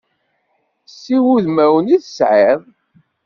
Si wudmawen i tesɛiḍ.